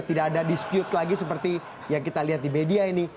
tidak ada dispute lagi seperti yang kita lihat di media ini